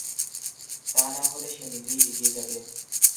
তা না হলে, সে নিজেই এগিয়ে যাবে।